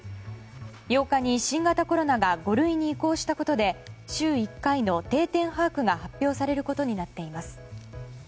８日に新型コロナが５類に移行したことで週１回の定点把握が発表されることになっています。